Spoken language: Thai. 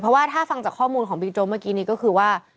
เพราะว่าถ้าฟังจากข้อมูลของบิ๊กโจ๊กเมื่อกี้นี้ก็คือว่า